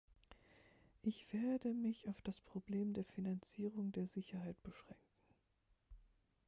Ich werde mich auf das Problem der Finanzierung der Sicherheit beschränken.